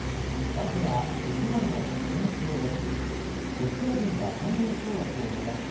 まずはウクライナの戦況です。